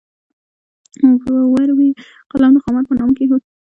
ور وې قلم د خامار په نامه کېښود.